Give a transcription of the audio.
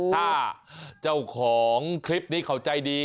ถ้าเจ้าของคลิปนี้เขาใจดี